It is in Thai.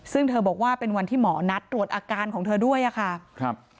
ซึ่งเธอบอกว่าเป็นวันที่หมอนัดตรวจอาการของเธอด้วยอะค่ะครับ